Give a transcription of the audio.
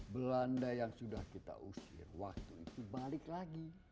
belanda yang sudah kita usir waktu itu balik lagi